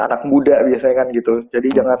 anak muda biasanya kan gitu jadi jangan